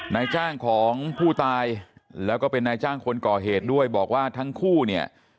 นายจ้างของผู้ตายแล้วก็เป็นนายจ้างคนก่อเหตุด้วยบอกว่าทั้งคู่เนี่ย